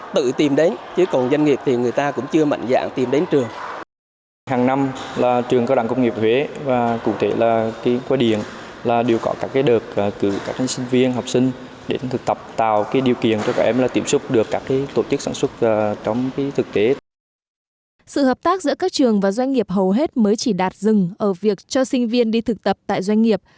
sự hợp tác giữa các trường và doanh nghiệp hầu hết mới chỉ đạt dừng ở việc cho sinh viên đi thực tập tại doanh nghiệp